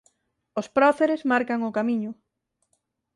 Os Próceres marcan o camiño.